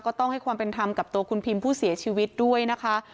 ต้องให้ความเป็นธรรมกับตัวคุณพิมผู้เสียชีวิตด้วยนะคะ